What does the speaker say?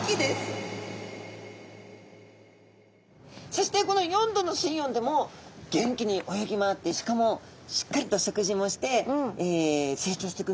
そしてこの４℃の水温でも元気に泳ぎ回ってしかもしっかりと食事もして成長してくんですね。